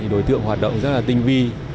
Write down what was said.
đối tượng hoạt động rất tinh vi